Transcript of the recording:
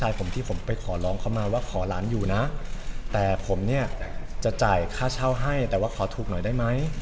ที่ผมไปขอร้องเขามาว่าขอหลานอยู่นะแต่ผมเนี่ยจะจ่ายค่าเช่าให้แต่ว่าขอถูกหน่อยได้ไหม